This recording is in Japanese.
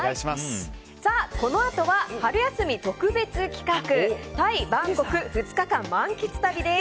このあとは春休み特別企画タイ・バンコク２日間満喫旅です。